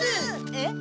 えっ？